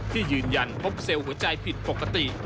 ที่ยืนยันพบเซลล์หัวใจผิดปกติ